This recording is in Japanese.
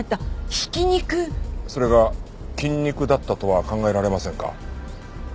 それが菌肉だったとは考えられませんか？